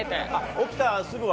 起きたらすぐは。